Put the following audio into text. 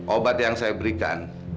obat yang saya berikan